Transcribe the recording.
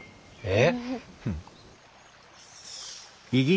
えっ？